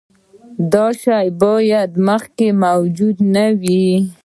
دا شی باید مخکې موجود نه وي.